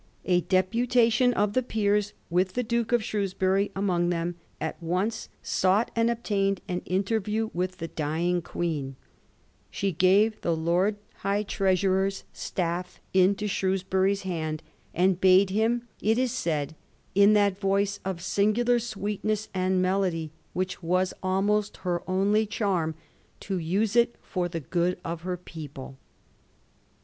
A deputation of the peers, with the Duke of Shrewsbury among them, at once sought and obtained an interview with the dying Queen. She gave tiie Lord High Treasurer's Digiti zed by Google €0 A mSTORY OF THE FOUR GEORGES. oh. m. staff into Shrewsbury's hand, and bade him, it is said, in that voice of singular sweetness and melody which was almost her only charm, to use it for the good of her people.